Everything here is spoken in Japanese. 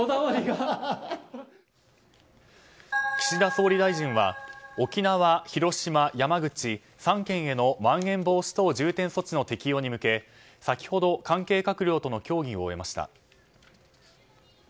岸田総理大臣は沖縄、広島、山口３県へのまん延防止等重点措置の適用に向け先ほど、関係閣僚との協議を終えました。